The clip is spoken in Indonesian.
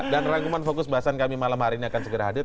dan rangkuman fokus bahasan kami malam hari ini akan segera hadir